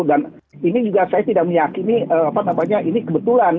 dan ini juga saya tidak meyakini apa namanya ini kebetulan